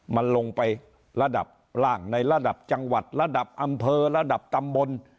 มันลงไประดับล่างในระดับจังหวัดระดับอำเภอระดับตำบล